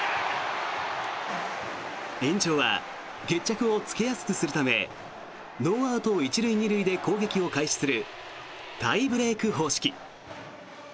延長は決着をつけやすくするためノーアウト１塁２塁で攻撃を開始するタイブレーク方式。